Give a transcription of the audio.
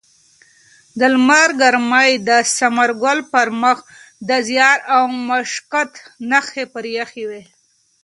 د لمر ګرمۍ د ثمرګل پر مخ د زیار او مشقت نښې پرېښې وې.